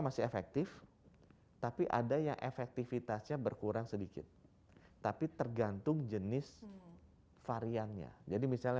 masih efektif tapi ada yang efektivitasnya berkurang sedikit tapi tergantung jenis variannya jadi misalnya